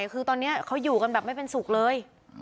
คือตอนนี้เขาอยู่กันแบบไม่เป็นสุขเลย